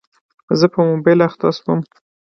زه په موبایل اخته شوم.